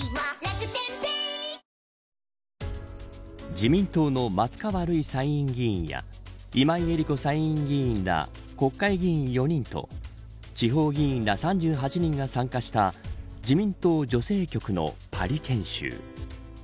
自民党の松川るい参院議員や今井絵理子参院議員ら国会議員４人と地方議員ら３８人が参加した自民党女性局のパリ研修。